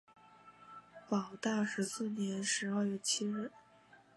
保大十四年十二月七日。